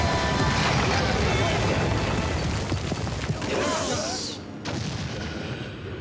よし！